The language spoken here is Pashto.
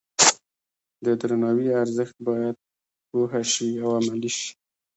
د درناوي ارزښت باید پوه شي او عملي شي.